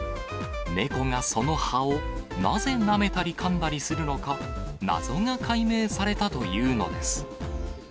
猫がその葉をなぜなめたりかんだりするのか、謎が解明されたというのです。